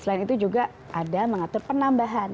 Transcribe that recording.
selain itu juga ada mengatur penambahan